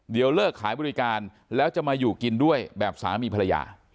เดี๋ยวเลิกขายบริการแล้วจะมาอยู่กินด้วยแบบสามีภรรยา